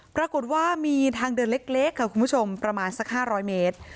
ปรากฏว่ามีทางเดินเล็กค่ะคุณผู้ชมประมาณสัก๕๐๐เมตร